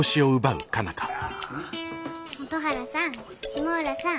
本原さん。